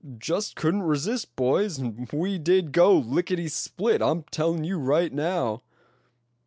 Just couldn't resist, boys, and we did go licketty split. I'm telling you right now."